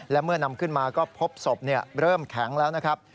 และเมื่อนำขึ้นมาก็พบศพเริ่มแข็งแล้วนะครับ